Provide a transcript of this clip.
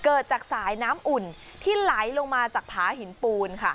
เกิดจากสายน้ำอุ่นที่ไหลลงมาจากผาหินปูนค่ะ